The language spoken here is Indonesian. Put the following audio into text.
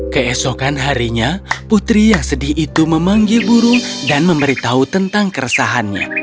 keesokan harinya putri yang sedih itu memanggil burung dan memberitahu tentang keresahannya